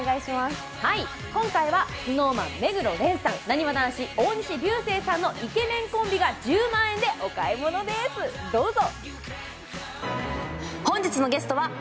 今回はＳｎｏｗＭａｎ・目黒蓮さん、なにわ男子・大西流星さんのイケメンコンビが１０万円でお買い物です、どうぞ！